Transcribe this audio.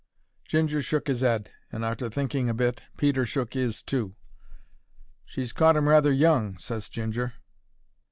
Ginger shook his 'ead, and, arter thinking a bit, Peter shook his too. "She's caught 'im rather young," ses Ginger.